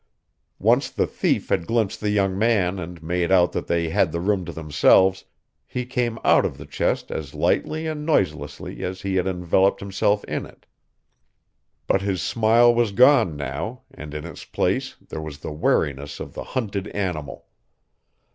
Once the thief had glimpsed the young man and made out that they had the room to themselves he came out of the chest as lightly and noiselessly as he had enveloped himself in it. But his smile was gone now and in its place there was the wariness of the hunted animal.